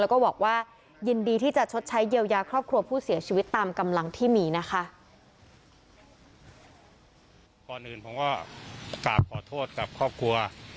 แล้วก็บอกว่ายินดีที่จะชดใช้เยียวยาครอบครัวผู้เสียชีวิตตามกำลังที่มีนะคะ